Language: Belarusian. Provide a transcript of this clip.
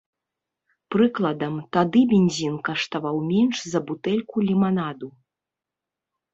Прыкладам, тады бензін каштаваў менш за бутэльку ліманаду.